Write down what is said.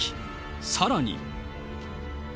さらに。